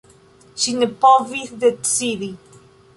Ŝi ne povis decidi.